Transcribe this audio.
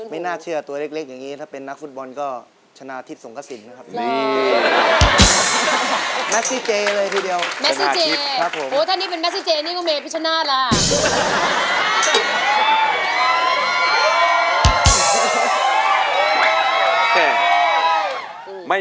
ไม่น่าเชื่อตัวเล็กอย่างนี้ถ้าเป็นนักฟุตบอลก็ชนะทิพย์สงกระสินนะครับ